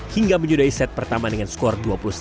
hingga menyudahi set pertama dengan skor dua puluh satu